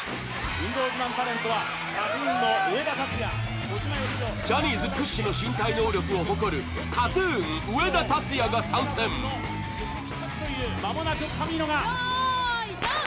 運動自慢タレントはＫＡＴ−ＴＵＮの上田竜也ジャニーズ屈指の身体能力を誇るが参戦まもなく神野が用意ドン！